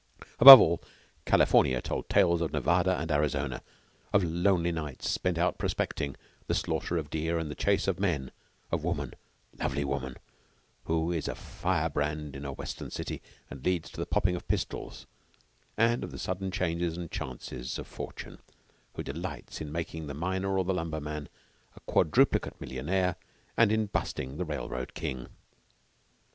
Above all, California told tales of Nevada and Arizona, of lonely nights spent out prospecting, the slaughter of deer and the chase of men, of woman lovely woman who is a firebrand in a Western city and leads to the popping of pistols, and of the sudden changes and chances of Fortune, who delights in making the miner or the lumber man a quadruplicate millionaire and in "busting" the railroad king.